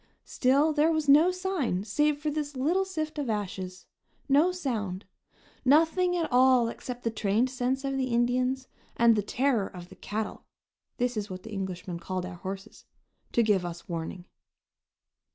Still there was no sign, save this little sift of ashes, no sound; nothing at all except the trained sense of the Indians and the terror of the "cattle" (this is what the Englishmen called our horses) to give us warning.